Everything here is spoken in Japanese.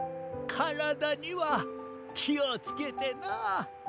からだにはきをつけてなあ。